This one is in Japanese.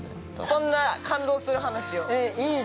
そんな感動する話を。